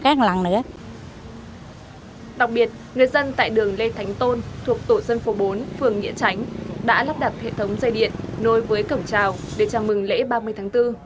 để chào mừng lễ ba mươi tháng bốn